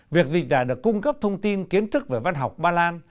việc dịch giả được cung cấp thông tin kiến thức về văn học ba lan